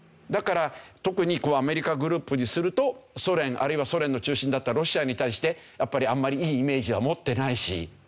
だから特にアメリカグループにするとソ連あるいはソ連の中心だったロシアに対してやっぱりあんまりいいイメージは持ってないし。